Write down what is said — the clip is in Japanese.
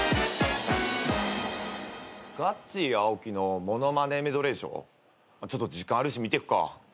「ガッチー青木のものまねメドレーショー」ちょっと時間あるし見てくか。